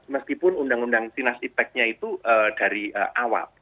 meskipun undang undang sinas ipec nya itu dari awal